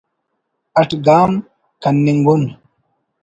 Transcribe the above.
اٹ گام کننگ اُن